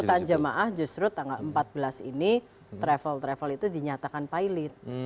ketat jemaah justru tanggal empat belas ini travel travel itu dinyatakan pilot